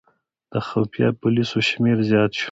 د خفیه پولیسو شمېر زیات شو.